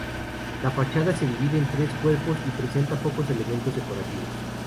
La fachada se divide en tres cuerpos y presenta pocos elementos decorativos.